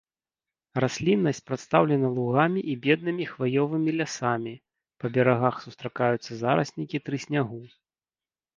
Расліннасць прадстаўлена лугамі і беднымі хваёвымі лясамі, па берагах сустракаюцца зараснікі трыснягу.